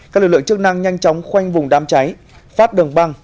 các lực lượng chức năng nhanh chóng khoanh vùng đám cháy phát đường băng